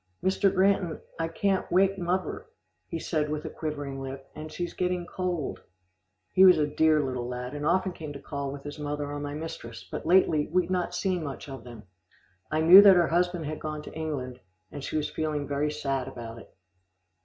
"Mr. Granton, I can't wake muvver," he said with quivering lip, "and she's getting cold." He was a dear little lad, and often came to call with his mother on my mistress, but lately we had not seen much of them. I knew that her husband had gone to England, and she was feeling very sad about it.